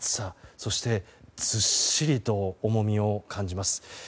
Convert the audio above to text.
そしてずっしりと重みを感じます。